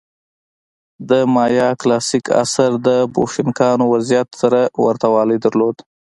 د مایا کلاسیک عصر د بوشونګانو وضعیت سره ورته والی درلود.